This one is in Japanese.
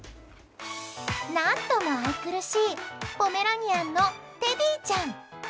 何とも愛くるしいポメラニアンのテディちゃん。